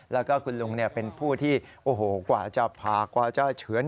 แล้วก็คุณลุงเป็นผู้ที่โอ้โหกว่าจะผ่ากว่าจะเฉือน